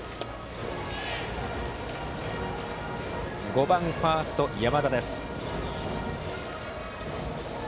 ５番ファースト、山田です。